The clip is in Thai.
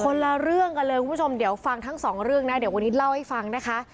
ละเรื่องกันเลยคุณผู้ชมเดี๋ยวฟังทั้งสองเรื่องนะเดี๋ยววันนี้เล่าให้ฟังนะคะ